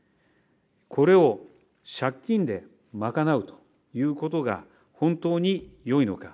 これを借金で賄うということが、本当によいのか。